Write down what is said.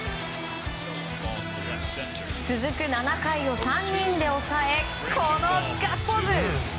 続く７回を３人で抑えこのガッツポーズ。